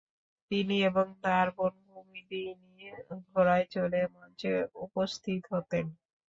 তিনি এবং তার বোন কুমুদিনী ঘোড়ায় চড়ে মঞ্চে উপস্থিত হতেন।